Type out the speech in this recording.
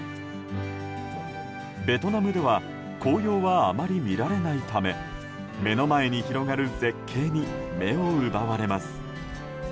ベトナムでは紅葉はあまり見られないため目の前に広がる絶景に目を奪われます。